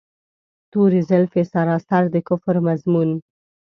توري زلفې سراسر د کفر مضمون.